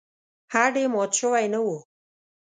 هډ یې مات شوی نه و.